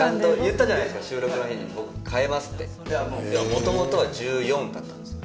もともとは１４だったんです。